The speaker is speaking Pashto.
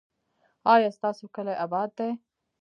ایا ستاسو کلی اباد دی؟